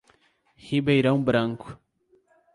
Ribeirão Branco